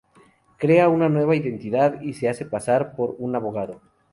Crea una nueva identidad y se hace pasar por un abogado.